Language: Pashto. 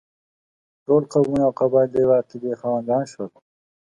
ټول قومونه او قبایل د یوې عقیدې خاوندان شول.